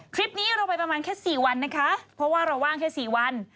คลิปนี้เราไปประมาณแค่๔วันนะคะเพราะว่าเราว่างแค่๔วัน